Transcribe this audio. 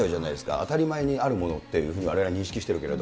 当たり前にあるものって、われわれ認識しているけど。